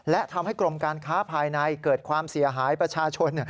และทำให้กรมการค้าภายในเกิดความเสียหายประชาชน